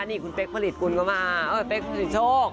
นี่คุณเป๊กผลิตคุณเข้ามาเออเป๊กผลิตโชค